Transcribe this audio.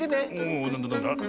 おおなんだなんだ？